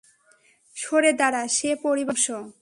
সরে দাঁড়া, সে পরিবারের অংশ।